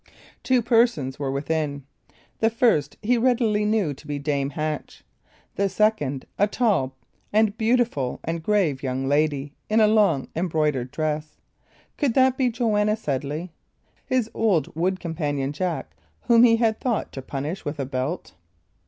Two persons were within; the first he readily knew to be Dame Hatch; the second, a tall and beautiful and grave young lady, in a long, embroidered dress could that be Joanna Sedley? his old wood companion, Jack, whom he had thought to punish with a belt?